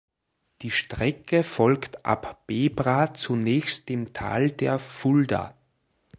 Die Strecke folgt ab Bebra zunächst dem Tal der Fulda.